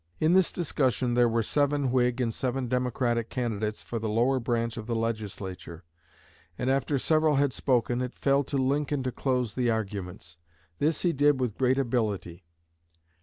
In this discussion there were seven Whig and seven Democratic candidates for the lower branch of the Legislature; and after several had spoken it fell to Lincoln to close the arguments. This he did with great ability.